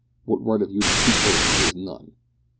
What right have you to two coats when he has none?"